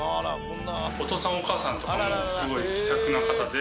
おとうさんおかあさんとかもすごい気さくな方で。